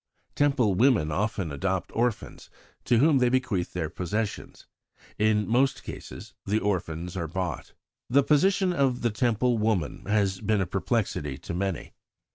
Temple women often adopt orphans, to whom they bequeath their possessions. In most cases the orphans are bought." The position of the Temple woman has been a perplexity to many.